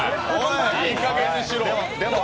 いいかげんにしろ！